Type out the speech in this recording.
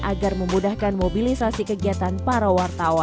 agar memudahkan mobilisasi kegiatan para wartawan